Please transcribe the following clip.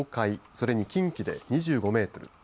それに近畿で２５メートル